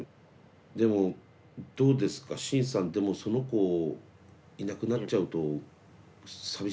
でもどうですかシンさんでもその子いなくなっちゃうと寂しいでしょ？